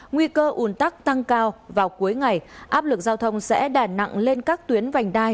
nguy cơ ủn tắc tăng cao vào cuối ngày áp lực giao thông sẽ đà nặng lên các tuyến vành đai